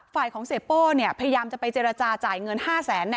ฝ่ายของเสียโป้พยายามจะไปเจรจาจ่ายเงิน๕แสน